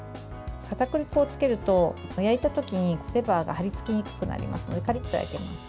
かたくり粉をつけると焼いたときにレバーが張り付きにくくなりますのでカリッと焼けます。